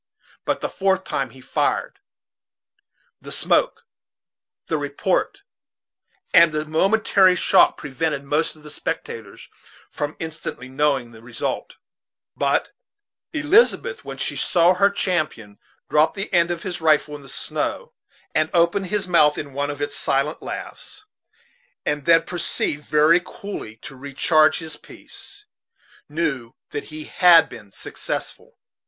But the fourth time he fired. The smoke, the report, and the momentary shock prevented most of the spectators from instantly knowing the result; but Elizabeth, when she saw her champion drop the end of his rifle in the snow and open his mouth in one of its silent laughs, and then proceed very coolly to recharge his piece, knew that he had been successful.